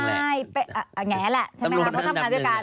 แหงแหละใช่ไหมครับเพราะทำงานด้วยกัน